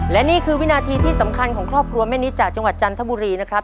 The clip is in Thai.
และนี่คือวินาทีที่สำคัญของครอบครัวแม่นิดจากจังหวัดจันทบุรีนะครับ